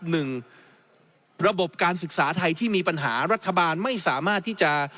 หนึ่งระบบการศึกษาไทยที่มีปัญหารัฐบาลไม่สามารถที่จะ